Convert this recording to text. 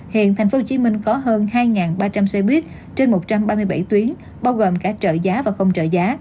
hiện tp hcm có hơn hai ba trăm linh xe buýt trên một trăm ba mươi bảy tuyến bao gồm cả trợ giá và không trợ giá